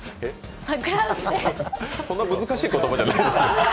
そんな難しい言葉じゃないですよね。